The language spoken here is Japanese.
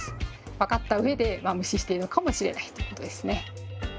分かったうえで無視しているのかもしれないということですね。